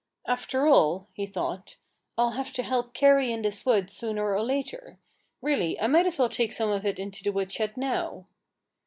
"After all," he thought, "I'll have to help carry in this wood sooner or later. Really, I might as well take some of it into the woodshed now."